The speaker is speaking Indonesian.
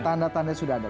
tanda tanda sudah ada